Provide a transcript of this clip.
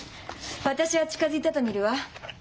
私は近づいたと見るわ。